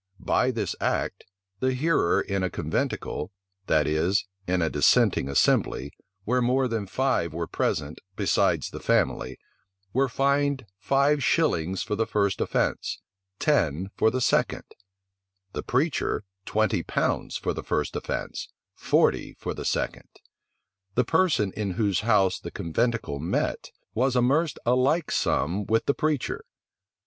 By this act, the hearer in a conventicle (that is, in a dissenting assembly, where more than five were present, besides the family) was fined five shillings for the first offence, ten for the second; the preacher, twenty pounds for the first offence, forty for the second. The person in whose house the conventicle met, was amerced a like sum with the preacher.